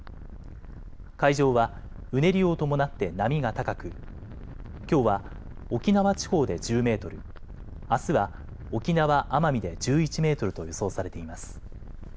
海上はうねりを伴って波が高く、きょうは沖縄地方で１０メートル、あすは沖縄・奄美で１１メートルと予想されています。